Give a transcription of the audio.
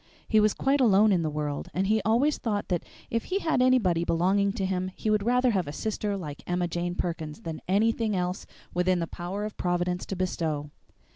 He was quite alone in the world, and he always thought that if he had anybody belonging to him he would rather have a sister like Emma Jane Perkins than anything else within the power of Providence to bestow.